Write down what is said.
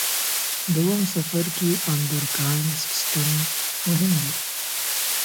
د اووم څپرکي اندورکاین سیستم مهم دی.